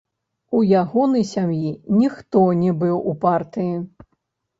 У ягонай сям'і ніхто не быў у партыі.